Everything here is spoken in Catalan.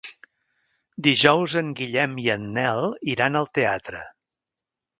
Dijous en Guillem i en Nel iran al teatre.